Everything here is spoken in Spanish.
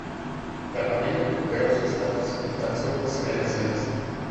La familia recuperó su estatus en tan solo dos generaciones.